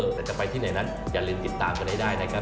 แต่จะไปที่ไหนนั้นอย่าลืมติดตามกันให้ได้นะครับ